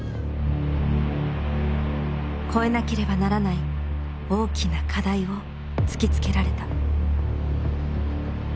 越えなければならない大きな課題を突きつけられた。